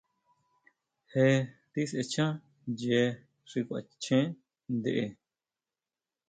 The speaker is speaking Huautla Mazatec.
Je tisʼechan ʼyee xi kuachen ntʼe.